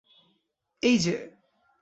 এই যে।